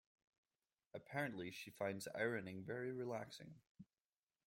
Apparently, she finds ironing very relaxing.